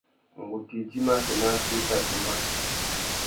Ngu tà idjima assênatê i tà tumba.